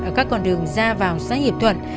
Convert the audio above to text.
ở các con đường ra vào xã hiệp thuận